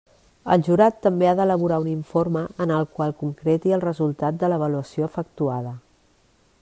El jurat també ha d'elaborar un informe en el qual concreti el resultat de l'avaluació efectuada.